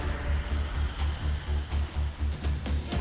jadi itu akan lebih hangat